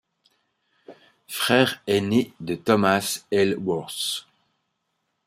Frère aîné de Thomas Aylesworth.